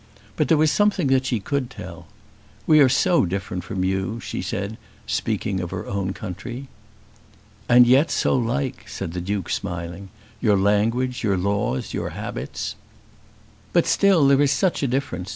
But there was something that she could tell. "We are so different from you," she said, speaking of her own country. "And yet so like," said the Duke, smiling; "your language, your laws, your habits!" "But still there is such a difference!